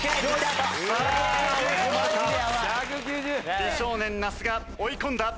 美少年那須が追い込んだ。